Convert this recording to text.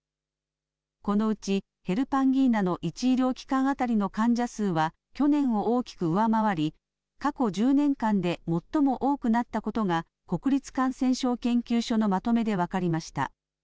このうち、ヘルパンギーナの１医療機関当たりの患者数は去年を大きく上回り、過去１０年間で最も多くなったことが、国立感染症研究所のまとめで分かりました。